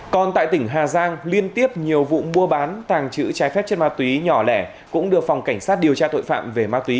còn tại tỉnh hà giang liên tiếp nhiều vụ mua bán tàng trữ trái phép chất ma túy nhỏ lẻ cũng được phòng cảnh sát điều tra tội phạm về ma túy